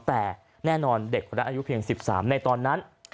แต่แน่นอนเด็กคนนั้นอายุเพียง๑๓ในตอนนั้น